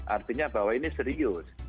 artinya bahwa ini serius